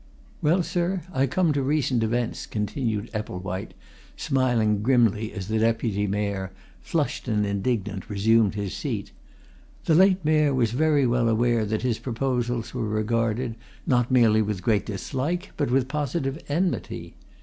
"Well, sir, I come to recent events," continued Epplewhite, smiling grimly as the Deputy Mayor, flushed and indignant, resumed his seat. "The late Mayor was very well aware that his proposals were regarded, not merely with great dislike, but with positive enmity.